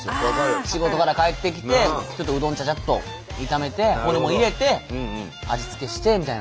仕事から帰ってきてちょっとうどんちゃちゃっと炒めてホルモン入れて味付けしてみたいな。